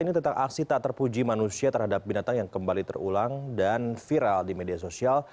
ini tentang aksi tak terpuji manusia terhadap binatang yang kembali terulang dan viral di media sosial